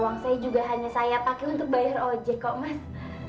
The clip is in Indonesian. uang saya juga hanya saya pakai untuk bayar ojek kok mas